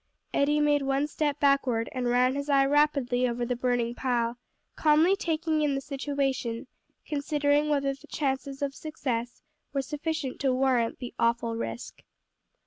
Eddie made one step backward, and ran his eye rapidly over the burning pile, calmly taking in the situation, considering whether the chances of success were sufficient to warrant the awful risk.